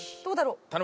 どうだろう。